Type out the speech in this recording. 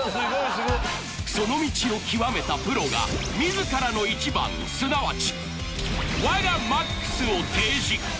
その道を究めたプロが自らの１番すなわちを提示